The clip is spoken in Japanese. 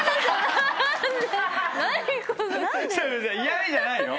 嫌みじゃないの。